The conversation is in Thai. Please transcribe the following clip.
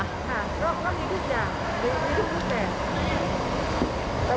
ค่ะก็มีทุกอย่างมีทุกรูปแบบ